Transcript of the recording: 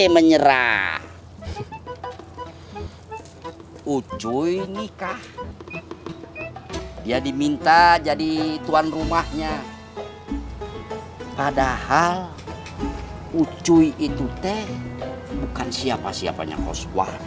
hai ucuy nikah dia diminta jadi tuan rumahnya padahal ucuy itu teh bukan siapa siapanya kos